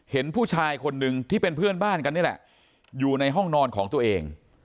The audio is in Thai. เห็นผู้ชายคนนึงที่เป็นเพื่อนบ้านกันนี่แหละอยู่ในห้องนอนของตัวเอง